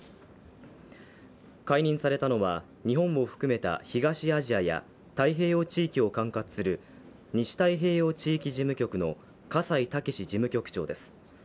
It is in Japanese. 解任されたのは、日本を含めた東アジアや太平洋地域を管轄する西太平洋地域事務局の葛西健事務局長です。